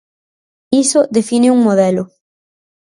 Iso define un modelo.